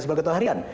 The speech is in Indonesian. sebagai ketua harian